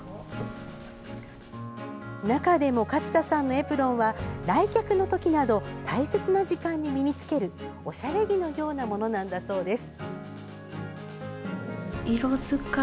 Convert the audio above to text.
中でも、勝田さんのエプロンは来客の時など大切な時間に身に着けるおしゃれ着のようなものなんだそうです。